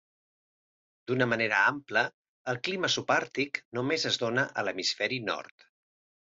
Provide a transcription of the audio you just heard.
D'una manera ampla el clima subàrtic només es dóna a l'hemisferi nord.